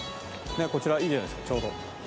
こちらいいじゃないですかちょうど。